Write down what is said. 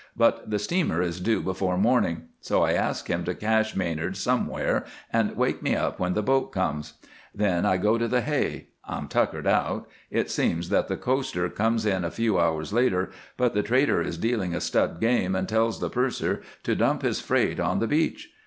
But the steamer is due before morning, so I ask him to cache Manard somewhere and wake me up when the boat comes. Then I go to the hay. I'm tuckered out. It seems that the coaster comes in a few hours later, but the trader is dealing a stud game and tells the purser to dump his freight on the beach.